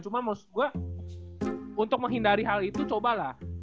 cuma maksud gue untuk menghindari hal itu cobalah